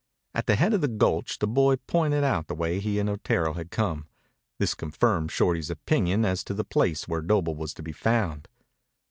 At the head of the gulch the boy pointed out the way he and Otero had come. This confirmed Shorty's opinion as to the place where Doble was to be found.